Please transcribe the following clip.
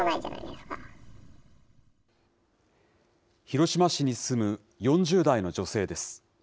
広島市に住む４０代の女性です。